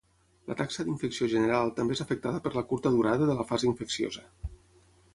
La taxa d'infecció general també és afectada per la curta durada de la fase infecciosa.